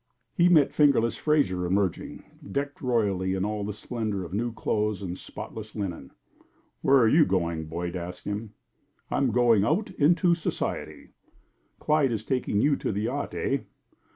He met "Fingerless" Fraser emerging, decked royally in all the splendor of new clothes and spotless linen. "Where are you going?" Boyd asked him. "I'm going out into society." "Clyde is taking you to the yacht, eh?"